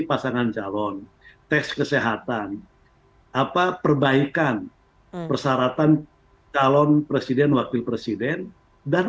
pasangan calon tes kesehatan apa perbaikan persyaratan calon presiden wakil presiden dan